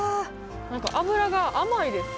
何か脂が甘いです。